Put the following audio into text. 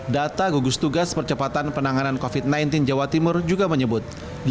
data gugus tugas percepatan penanganan covid sembilan belas jawa timur juga menyebut